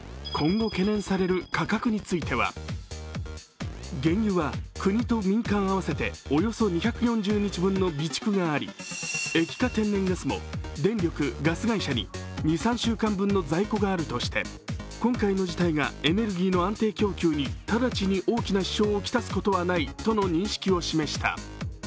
今後懸念される価格については原油は国と民間合わせておよそ２４０日分の備蓄があり液化天然ガスも、電力・ガス会社に２３週間分の在庫があるとして今回の事態がエネルギーの安定供給に直ちに大きな支障を来すことはないとの認識を示した。